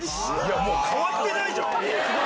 もう変わってないじゃん。